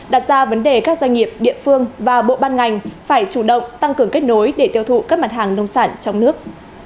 đặt ra vấn đề các doanh nghiệp địa phương và bộ ban ngành phải chủ động tăng cường kết nối để tiêu thụ các mặt hàng nông sản trong nước